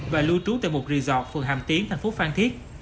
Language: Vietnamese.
và lưu trú tại một resort phường hàm tiến tp phan thiết